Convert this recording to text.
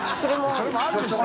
それもあるでしょ。